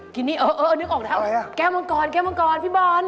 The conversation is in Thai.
กินนี่เออนึกออกแล้วนะครับแก้วมังกรพี่บอล